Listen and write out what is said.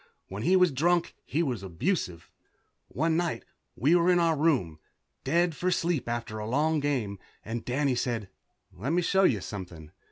When he was drunk he was abusive. One night we were in our room, dead for sleep after a long game, and Danny said, "Let me show you something."